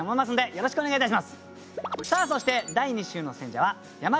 よろしくお願いします。